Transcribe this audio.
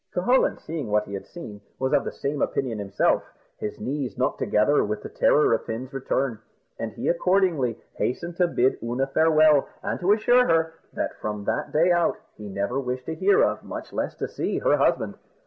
Cucullin, seeing what he had seen, was of the same opinion himself; his knees knocked together with the terror of Fin's return, and he accordingly hastened to bid Oonagh farewell, and to assure her, that from that day out, he never wished to hear of, much less to see, her husband.